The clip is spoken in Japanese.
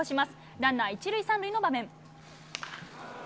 ランナー１塁３塁の場面。